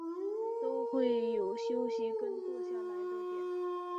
都会有休息跟坐下来的点